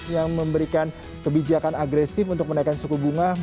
yang memberikan kebijakan agresif untuk menaikkan suku bunga